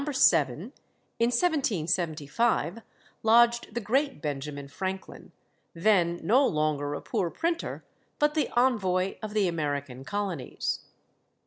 7, in 1775, lodged the great Benjamin Franklin, then no longer a poor printer, but the envoy of the American colonies.